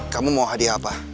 kamu mau hadiah apa